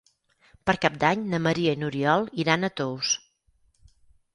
Per Cap d'Any na Maria i n'Oriol iran a Tous.